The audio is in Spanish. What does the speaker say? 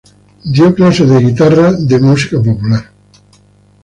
Dio clases de guitarra en la música popular.